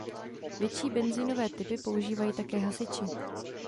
Větší benzínové typy používají také hasiči.